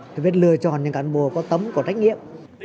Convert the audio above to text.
phải biết lựa chọn những cần bộ có tấm của trách nhiệm